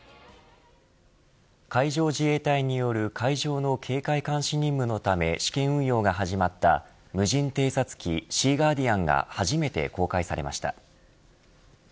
海上自衛隊による海上の警戒監視任務のため試験運用が始まった無人偵察機シーガーディアンが初めて公開されました。